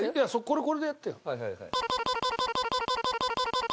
これでやってよ。